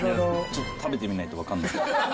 ちょっと食べてみないと分かんない。